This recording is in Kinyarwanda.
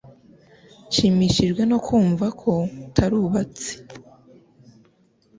Nshimishijwe no kumva ko atarubatse.